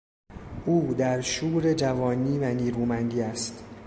او در شور جوانی و نیرومندی است.